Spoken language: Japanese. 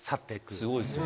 すごいっすよね。